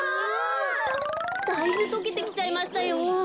だいぶとけてきちゃいましたよ。